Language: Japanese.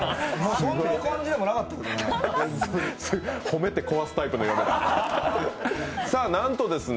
そんな感じでもなかったけどね。